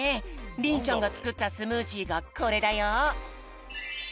りんちゃんがつくったスムージーがこれだよ。